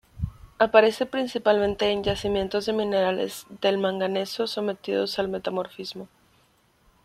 Aparece principalmente en yacimientos de minerales del manganeso sometidos a metamorfismo.